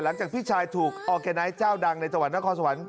หลังจากพี่ชายถูกออร์แกไนท์เจ้าดังในจังหวัดนครสวรรค